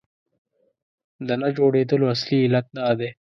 د نه جوړېدلو اصلي علت دا دی.